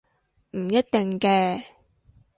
唔一定嘅